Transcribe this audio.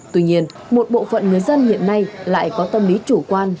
tuy nhiên một bộ phận người dân hiện nay lại có tâm lý chủ quan